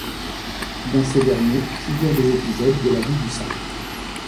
Dans ces derniers figurent des épisodes de la vie du saint.